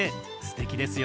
すてきです。